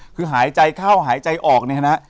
คือหายใจเข้าหายใจออกเนี่ยฮะ